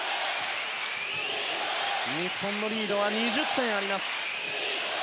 日本のリードは２０点あります。